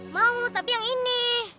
mau tapi yang ini